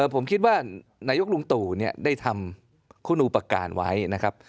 ผมคิดว่านายกลุงตู่ได้ทำคุณอุปการณ์ไว้นะครับ